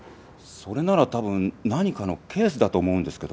それなら多分何かのケースだと思うんですけど。